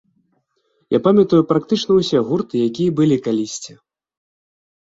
Я памятаю практычна ўсе гурты, якія былі калісьці.